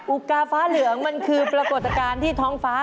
อุกาฟ้าเหลืองมันคือปรากฏการณ์ที่ท้องฟ้า